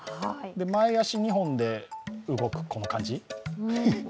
前足２本で動くこの感じ。